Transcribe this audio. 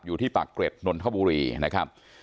อยู่ที่ปากเกร็ดนนทบุรีนะครับ